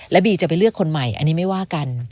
บีจะไปเลือกคนใหม่อันนี้ไม่ว่ากัน